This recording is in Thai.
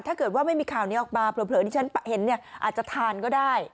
ถ้าเกิดว่าไม่มีข่าวนี้ออกมาเผลอที่ฉันเห็นเนี่ยอาจจะทานก็ได้